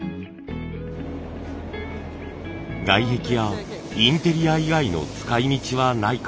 外壁やインテリア以外の使い道はないか。